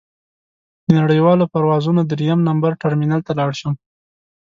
د نړیوالو پروازونو درېیم نمبر ټرمینل ته لاړ شم.